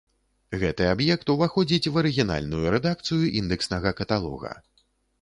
Гэты аб'ект уваходзіць у арыгінальную рэдакцыю індэкснага каталога.